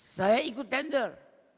saya ikut tender